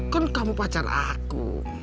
kan kamu pacar aku